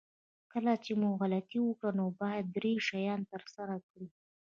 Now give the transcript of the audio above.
کله چې مو غلطي وکړه نو باید درې شیان ترسره کړئ.